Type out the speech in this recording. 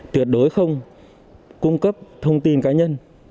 tuyệt đối không cung cấp thông tin cá nhân